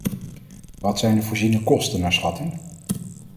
Wat zijn de voorziene kosten naar schatting?